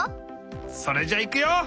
それじゃいくよ！